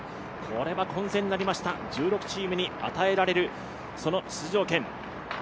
これは混戦になりました、１６チームに与えられる出場権。